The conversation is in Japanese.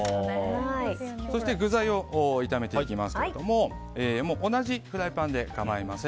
そして具材を炒めていきますけども同じフライパンで構いません。